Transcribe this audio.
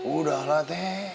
udah lah t